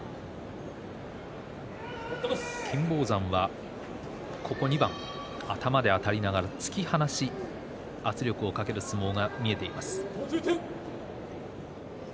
金峰山は、ここ２番頭であたりながら突き放し圧力をかける相撲が見えています。